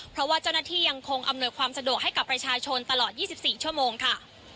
เพราะว่าเจ้าหน้าที่ยังคงอำนวยความสะดวกให้กับประชาชนตลอด๒๔ชั่วโมงค่ะ